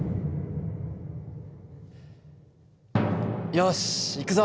よしいくぞ！